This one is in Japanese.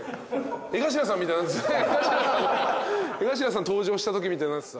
江頭さん登場したときみたいになってた。